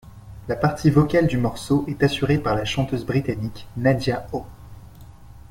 La partie vocale du morceau est assurée par la chanteuse britannique Nadia Oh.